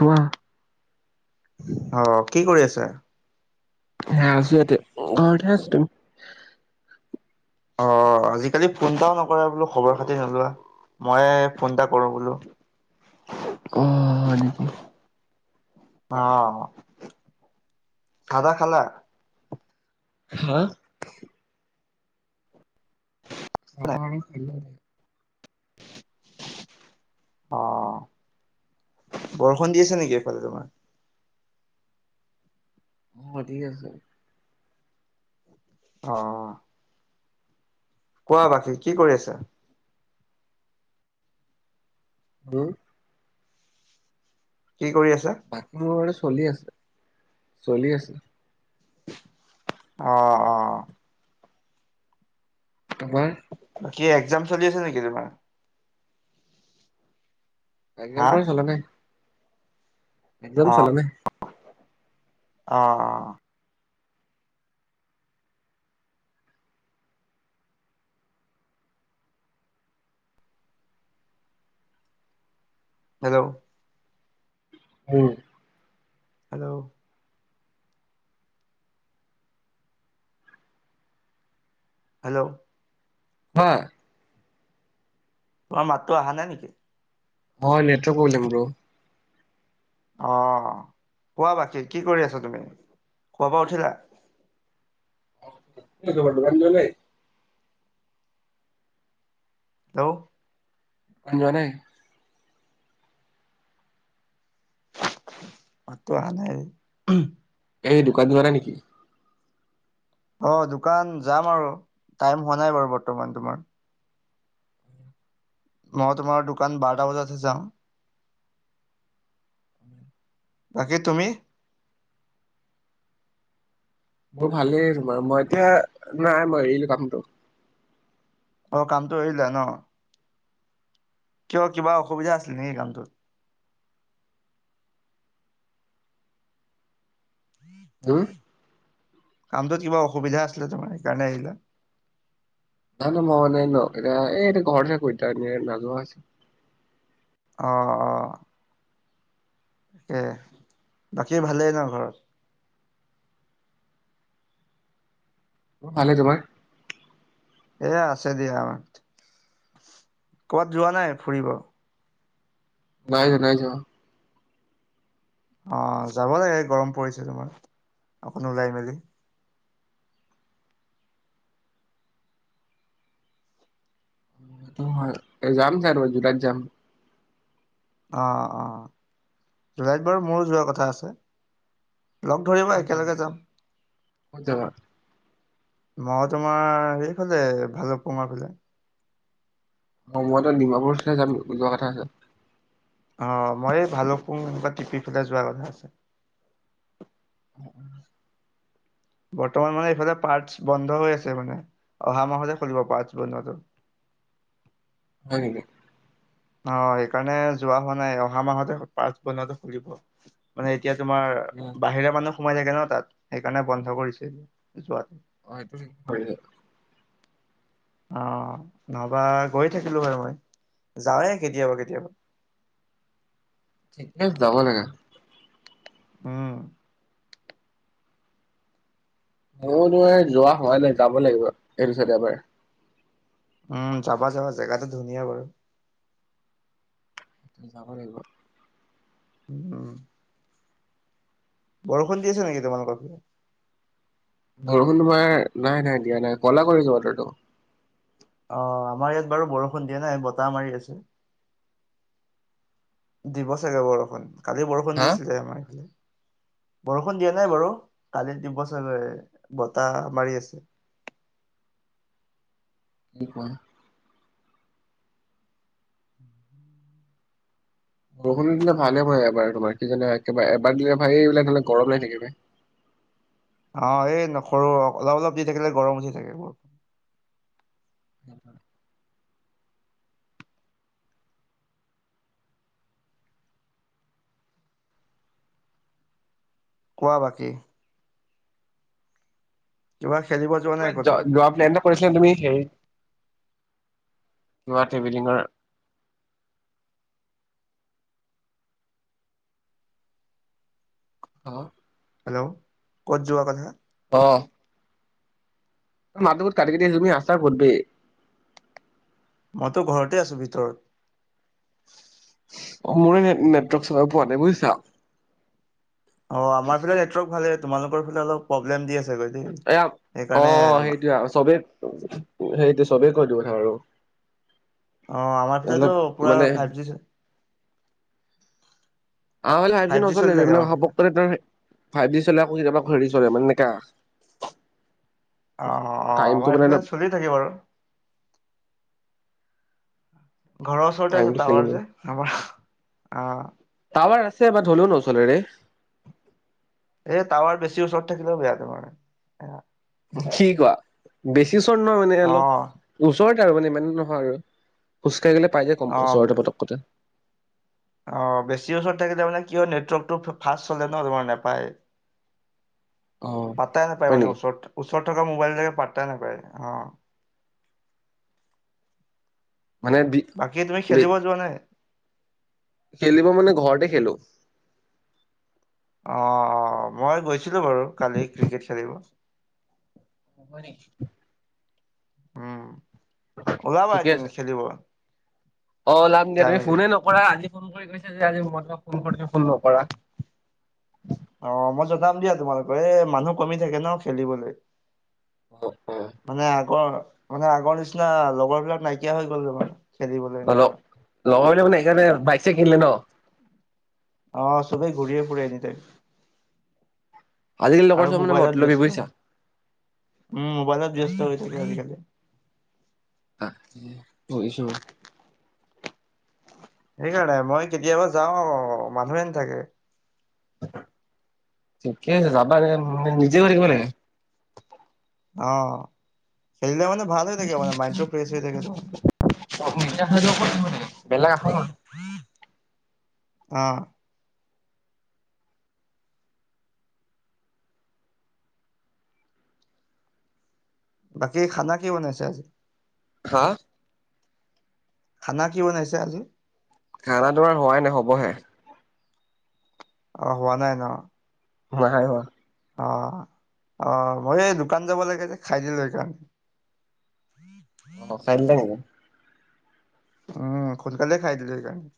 ধুৱা আহ কি কৰি আছা? হা আছো ইয়াতে ঘৰতে হে [inaudible] অ আজিকালি ফোনটাও নক কৰা বোলো খবৰ খাতি নোলোৱা! ময়ে ফোন এটা কৰো বোলো। উম হয় নেকি? অ চাহ তাহ খালা? হা? [inaudible] অ বৰষুণ দি আছে নেকি এইফালে তোমাৰ? বাধি আছে। অ'! কোৱা বাকী কি কৰি আছা? হম! কি কৰি আছা? বাকী মোৰ চলি আছে চলি আছে। আহ অ'! তোমাৰ? বাকী একজাম চলি আছে নেকি তোমাৰ। একজাম হা নাই চলা নাই। এ্কজাম চলা নাই। অঁ-অঁ। হেল্ল'। উম। হেল্ল'। হেল্ল'। হয়। মোৰ মাততো অহা নাই নেকি। হয় নেটৰ প্ৰব্লেম ব্ৰ। অঁ কোৱা বাকী কি কৰি আছা তুমি, শুৱাৰ পৰা উঠিলা। [unintelligible] হেল্ল'। তুমি যোৱা নাই। মাতটো আহা নাই। এই দোকান যোৱা নাই নেকি। অঁ দোকান যাম আৰু টাইম হোৱা নাই বাৰু বৰ্তমান তোমাৰ। মই তোমাৰ দোকান বাৰটা বজাতহে যাও। বাকী তুমি। মোৰ ভালেই তোমাৰ মই এতিয়া নাই মই এৰিলো কামটো। অঁ কামটো এৰিলা ন। কিয় কিবা অসুবিধা আছিল নেকি কামটোত। হম। কামটোত কিবা অসুবিধা আছিলে তোমাৰ সেইকাৰণে এৰিলা। [unintelligible] ন এতিয়া এই ঘৰতে থাকো এতিয়া [unintelligible] অঁ-অঁ। তাকে, বাকী ভালেই ন ঘৰত। আমাৰ ভালে তোমাৰ। এ আছে দিয়া আমাৰ, ক'বাত যোৱা নাই ফুৰিব। নাই যোৱা-নাই যোৱা। অঁ যাব লাগে গৰম পৰিছে নহয়, অকন ওলাই মেলি। যাম চাগৈ জুলাইত যাম। অঁ-অঁ জুলাইত বাৰু মোৰো যোৱা কথা আছে। লগ ধৰিবা একেলগে যাম। ক'ত যাবা? মই তোমাৰ সেইফালে ভালুকপুংৰ ফালে। অঁ মইতো ডিমাপুৰ চে যাম যোৱা কথা আছে। অঁ মই এই ভালুকপু্ং বা টিপি ফাঁলে যোৱাৰ কথা আছে। উম্-উম। বৰ্তমান মানে এইফালে পাৰ্টছ বন্ধ হৈ আছে মানে, অহা মাহতহে খুলিব পাৰ্টছ বন্ধ টো। হয় নেকি। অঁ সেইকাৰণে যোৱা হোৱা নাই, অহা মাহতহে পাৰ্টছ বন্ধটো খুলিব। মানে এতিয়া তোমাৰ ঠিকে অ', বাহিৰা মানুহ সোমাই থাকে ন তাত, সেইকাৰণে বন্ধ কৰিছে যোৱাটো। অঁ এইটো [unintelligible] অঁ নহ'বা গৈ থাকিলো হয় মই, যাওঁৱেই কেতিয়াবা - কেতিয়াবা। ঠিকে যাব লাগে। অ। মই তোমাৰ যোৱা হোৱা নাই যাব লাগিব এই পিছৰ দেওবাৰে। উম যাবা যাবা জেগাটো ধুনীয়া বাৰু। যাব লাগিব। উম। বৰষুণ দি আছে নেকি তোমালোকৰ ফালে? বৰষুণ তোমাৰ নাই নাই দিয়া নাই কলা কৰিছে বতৰটো। অ আমাৰ ইয়াত বাৰু বৰষুণ দিয়া নাই বতাহ মাৰি আছে দিব চাগে বৰষুণ, কালি বৰষুণ হা দিছিলে আমাৰ এইফালে, বৰষুণ দিয়া নাই বাৰু কালি দিব চাগে বতাহ মাৰি আছে কি কোৱা বৰষুণটো দিলে ভালে হয় এবাৰ তোমাৰ কি জানা এবাৰ দিলে ভালেই এইবিলাক গৰম লাগি থাকি বে, অ এই ন সৰু অলপ অলপ দি থাকিলে গৰম উঠি থাকে বৰ, হয [inaudible] কোৱা বাকী কিবা খেলিব [unintelligible] যোৱা নাই ক'তো কিবা টেবেলিঙৰ অ হেল্ল' ক'ত যোৱা কথা, অ মাতটো বহুত কাতি কাতি আহিছে তুমি আছা কত বে মইতো ঘৰতে আছো ভিতৰত। অ মোৰে নে নেটৱৰ্ক চলা পোৱা নাই বুজিছা? অ আমাৰ ফালে নেটৱৰ্ক ভালে তোমালোকৰ ফালে অলপ প্ৰবলেম দি আছে। গৈ দেই এয়া অ সেইকাৰণে সেইটোএ আও চবেই সেইটো চবেই কৈ এইটো কথা বাৰু। অ আমাৰ ভিতৰতো পুৰা ফাইভ জি আমাৰ ফালে ফাইভজি ফাইভ জি নচলে চলি বে থাকে আমাৰ ফালে [unintelligible] ফাইভ জি চলে আক কেতিয়াবা হেৰি চলে মানে এনেকা অ অ অ টাইমটো আমাৰ মানে এইফালে অলপ চলিয়ে থাকে বাৰু। ঘৰৰ ওচৰতে আছে টাইমটো খেলি টাৱাৰ মেলি যে আমাৰ, আহ। ছে বাৰ ধলো নচলে ৰে। টাৱাৰ বেছি ওচৰত থাকিলেও বেয়া তোমাৰ। কি কোৱা বেছ কিচন নহ মানে অ', অলপ ওচৰত টা মানে ইমান নহয় আৰু ওচ কে গলে পাই যায় কম ওচৰতে পতককতে অ বেছিৰ ওচৰত থাকিলে মানে কিয় নেটৱৰ্কটো ফাষ্ট চলে ন তোমাৰ নাপায়। অ পাতাই নাপায় হয় মানে নেকি ওচৰত। চত থকা মোবাইল যে পাত্তা নেপায় অ। মানে বাকী তুমি বি খেলিব যোৱা নাই? খেলিব মানে ঘৰতে খেলো অ মই গৈছিলো বাৰু কালি ক্ৰিকেট খেলিব, অ ব [unintelligible] উম। ওলাবা ঠিকে এদিন আছে খেলিব, অ লামগে যাম তুমি এদিন। ফোনে নকৰা আজি, ফোন কৰিছে যে আজি মই ফোন ফোন নকৰা যাম দিয়া তোমালোকৰ এ মানুহ কমি থাকে ন খেলিবলৈ, মানে আগৰ, মানে আগৰ নিচিনা লগৰবিলাক নাই নাইকিয়া হৈ গ'ল তোমাৰ খেলিবলৈ অলপ এনেকুৱা, লগৰ মানে সেইকাৰণে বাইক চ কিনিলে ন? আহ চবেই ঘূৰি ফুৰি এনিটাইম। আজিকালি লগৰ আৰু চব মানে মোবাইলত মতলবি ব্যস্ত বুজিছা। উম মোবাইলত ব্যস্ত হৈ [inaudible] আ পঢ়িছো। সেইকাৰণে মই কেতিয়াবা যাওঁ আৰু মানুহে থাকে। ঠিকে আছে যাবা মানে নিজে গৈ থাকিব লাগে। অ' খেলিলে মানে ভাল হৈ থাকে মানে মাইণ্ডটো ফ্ৰেছ হৈ থাকে তোমাৰ। বেলেগ আশা নকৰা। অহ। বাকী খানা কি বনাইছে আজি? হা। খানা কি বনাইছা আজি। খানা তোমাৰ হোৱাই নাই হ'বহে। অ' হোৱা নাই ন'। নাই হোৱা। অ, অ' মই এই দোকান যাব লাগে যে খাই দিলো সেই কাৰণে। অ' খাই দিলে নেকি? উম, খোনকালে খাই দিলো এইকাৰণে।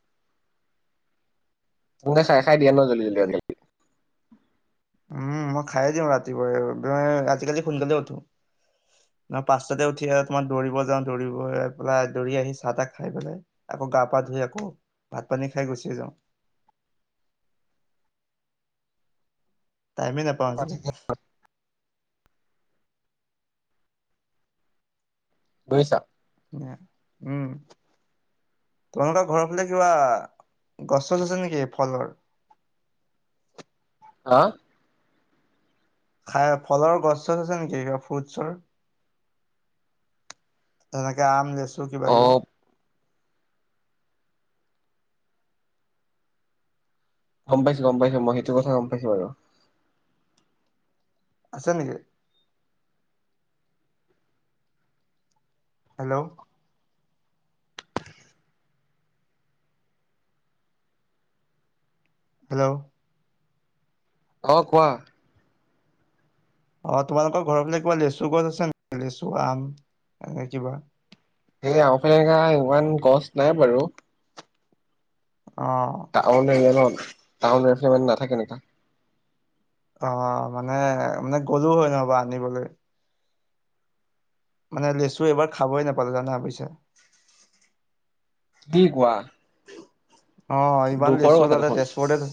তুমিতো খাই খাই দিয়া ন' জল্দি আজিকালি। উম, মই খায়ে দিও ৰাতিপুৱাই আজিকালি। সোনকালে উঠো পাঁচটাতে উঠি আহ তোমাৰ দৌৰিব যাওঁ। দৌৰিব পেলাই দৌৰি আহি চাহ-তাহ খাই পেলাই আকৌ গা-পা ধুই আকৌ ভাত-পানী খাই গুচিয়ে যাওঁ। টাইমেই নোপাওঁ আজিকালি। গৈছা। উম, তোমালোকৰ ঘৰৰ ফালে কিবা গছ আছে নেকি ফলৰ। অঁ? খায় ফলৰ গছ চছ আছে নেকি কিবা ফ্ৰুটছৰ? তেনেকে আম লেচু চু কিবা অ কিবি? গম পাইছো গম পাইছো মই সেইটো কথা গম পাইছো বাৰু। আছে নেকি? হেল্ল' হেল্ল' অ কোৱা? অ তোমালোকৰ ঘৰৰ ফালে কিবা লেচু গছ আছে নে লেচু, আম এনে কিবা? সেই আম ফালে সেনেকে নাই ইমান গছ নাই বাৰু। অ টাউ নাজানো আম টাউন এফালে মান নাথাকে নে তা নাই মানে গ'লো হয় নহবা আনিবলে। মানে লেচু এইবাৰ খাবই নাপালো জানা বুইছে। কি কোৱা? অ ইমান দুখৰ লেচুৰ কথা তাতে দেখোন তেজপুৰতে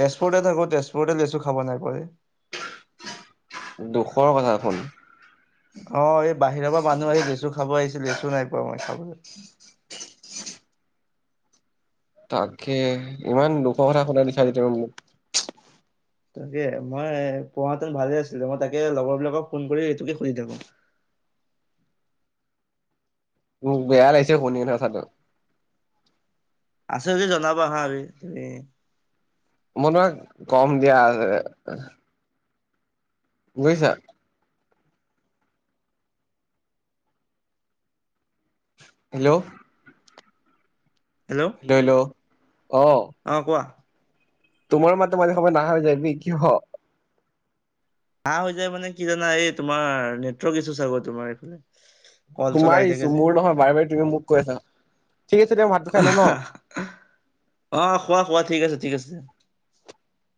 তেজপুৰতে থাকো তেজ বহুতে লেচু খাব নাই পোৱা ৰে দুখৰ কথা শুন অ এই বাহিৰৰ পৰা মানুহ আহি লেচু খাব আহিছিল লেচ টো নাই পোৱা মই। খাবলৈ তাকে ইমান দুখৰ কথা শুনাই দিচাই যে তই মোক। তাকে মই পঢ়া হেতেন ভালে আছিলে মই তাকে লগৰবিলাকক ফোন কৰি এইটোকে সুধি থাকো। উ বেয়া লাগিছে শুনি এ চটো আছে যদি জনাবা হা আৰু তুমি মই তোমাক কম দিয়া বুজিছা হেল্ল' হেল্ল' হেল্ল' অ অ কোৱা তোমাৰ মততো মাজে সময় নাহা হৈ যায় কিয় নাহা হৈ যায় মানে কি জানা এই তোমাৰ নেটৱৰ্ক ইছু চাগে তোমাৰ এইফালে কল চল তোমাৰ আহি থাকে ইছূ যে মোৰ নহয় বাৰে বাৰে তুমি মোক কৈ আছা ঠিক আছে দিয়া ভাতটো খাই ল অ', খোৱা খোৱা ন [unintelligible]